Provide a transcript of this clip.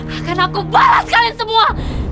akan aku balas kalian semua